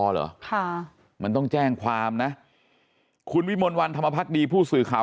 เหรอค่ะมันต้องแจ้งความนะคุณวิมลวันธรรมพักดีผู้สื่อข่าว